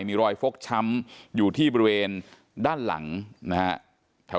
มีรอยฟกช้ำอยู่ที่บริเวณด้านหลังนะฮะ